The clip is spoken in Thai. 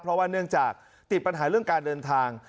เพราะว่าเนื่องจากติดปัญหาเรื่องการเดินทาง